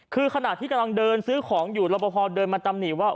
คือขณะที่กำลังเดินซื้อของอยู่รับประพอเดินมาตำหนิว่า